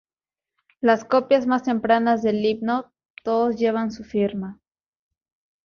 Las copias más tempranas del himno todos llevan su firma.